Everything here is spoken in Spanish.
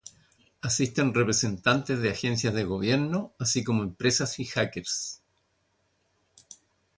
Asisten representantes de agencias de gobierno, así como empresas y hackers.